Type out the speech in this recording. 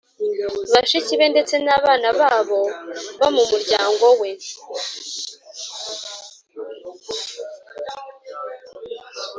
bashiki be ndetse n'abana babo bo mu muryango we